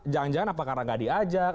jangan jangan apa karena gak diajak